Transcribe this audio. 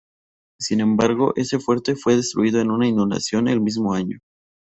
Sin embargo, ese fuerte fue destruido en una inundación el mismo año.